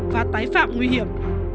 và tái phạm nguy hiểm